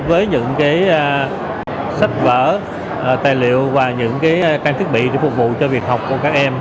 với những sách vở tài liệu và những trang thiết bị để phục vụ cho việc học của các em